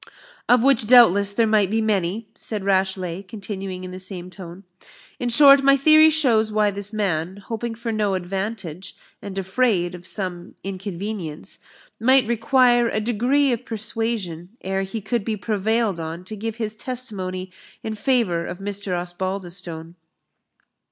"Of which, doubtless, there might be many," said Rashleigh, continuing in the same tone "In short, my theory shows why this man, hoping for no advantage, and afraid of some inconvenience, might require a degree of persuasion ere he could be prevailed on to give his testimony in favour of Mr. Osbaldistone."